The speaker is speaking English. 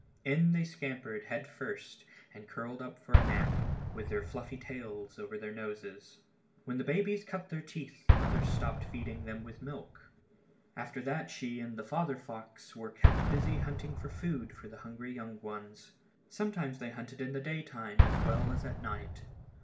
In they scampered head first, and curled up for a nap, with their fluffy tails over their noses. When the babies cut their teeth the mother stopped feeding them with milk. After that she and the father fox were kept busy hunting for food for the hungry young ones. Sometimes they hunted in the daytime as well as at night.